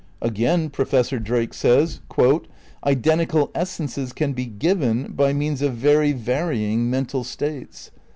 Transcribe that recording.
Again, Professor Drake says: "Identical essences can be 'given' by means of very varying mental states.